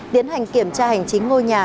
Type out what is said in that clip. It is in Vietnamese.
tiến hành kiểm tra hành chính ngôi nhà